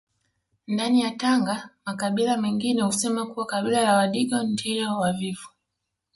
Ndani ya Tanga makabila mengine husema kuwa kabila la Wadigo ndio wavivu